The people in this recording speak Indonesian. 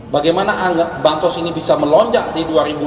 bagaimana bansos ini bisa melonjak di dua ribu dua puluh